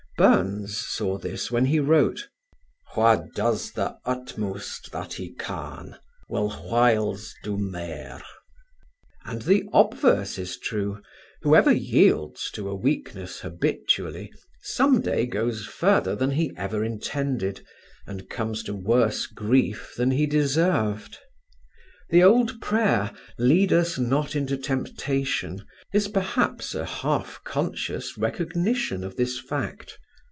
Burns saw this when he wrote: "Wha does the utmost that he can Will whyles do mair." And the obverse is true: whoever yields to a weakness habitually, some day goes further than he ever intended, and comes to worse grief than he deserved. The old prayer: Lead us not into temptation, is perhaps a half conscious recognition of this fact.